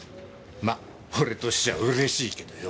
ま俺としちゃうれしいけどよ。